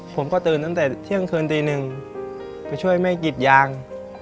ผมก็ตื่นตั้งแต่เที่ยงคืนตีหนึ่งไปช่วยแม่กิดยาง